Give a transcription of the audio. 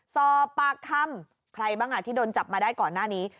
สอบปากคำใครบ้างที่โดนจับมาได้ก่อนหน้านี้